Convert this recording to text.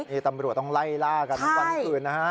นี่ตำรวจต้องไล่ล่ากันวันคืนนะฮะ